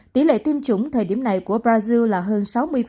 tỷ lệ tiêm chủng thời điểm này của brazil là hơn sáu mươi